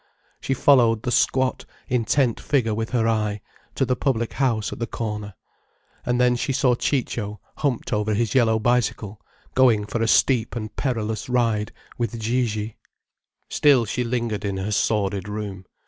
She followed the squat, intent figure with her eye, to the public house at the corner. And then she saw Ciccio humped over his yellow bicycle, going for a steep and perilous ride with Gigi. Still she lingered in her sordid room.